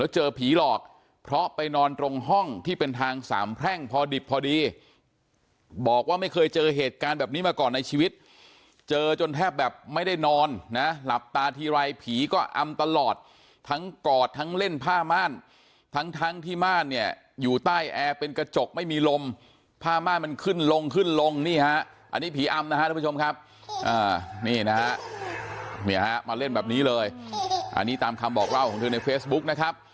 เจอผีหรอกเพราะไปนอนตรงห้องที่เป็นทางสามแพร่งพอดิบพอดีบอกว่าไม่เคยเจอเหตุการณ์แบบนี้มาก่อนในชีวิตเจอจนแทบแบบไม่ได้นอนนะหลับตาทีรายผีก็อำตลอดทั้งกอดทั้งเล่นผ้าม่านทั้งทั้งที่ม่านเนี่ยอยู่ใต้แอเป็นกระจกไม่มีลมผ้าม่านมันขึ้นลงขึ้นลงนี่ฮะอันนี้ผีอำนะฮะทุกผู้ชมครับนี่นะฮ